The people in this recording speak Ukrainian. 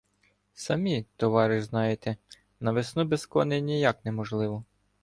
Самі, товариш, знаєте, на весну без коней ніяк невозможно.